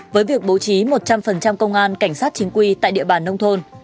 với việc bố trí một trăm linh công an cảnh sát chính quy tại địa bàn nông thôn